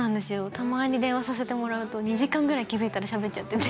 たまに電話させてもらうと２時間ぐらい気づいたら喋っちゃってて何で？